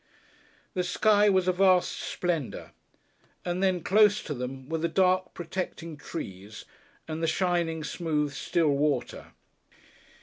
The sky was a vast splendour, and then close to them were the dark, protecting trees and the shining, smooth, still water.